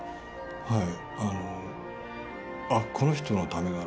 はい。